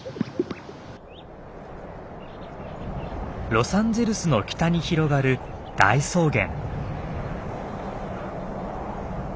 ロサンゼルスの北に広がる大草原。